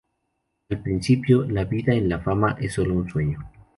Al principio, la vida en la fama es solo un sueño.